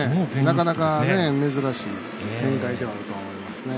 なかなか珍しい展開ではあると思いますね。